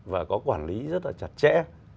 và có quản lý rất là chặt chẽ